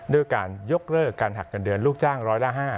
ด้วยการยกเลิกการหักเงินเดือนลูกจ้างร้อยละ๕